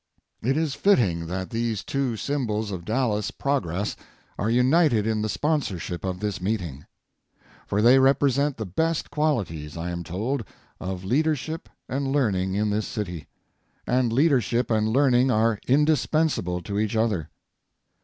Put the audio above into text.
It is fitting that these two symbols of Dallas progress are united in the sponsorship of this meeting. For they represent the best qualities, I am told, of leadership and learning in this city ŌĆō and leadership and learning are indispensable to each other.